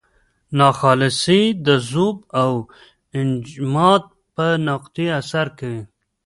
ناخالصې د ذوب او انجماد په نقطې اثر کوي.